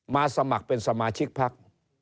สมัครเป็นสมาชิกพัก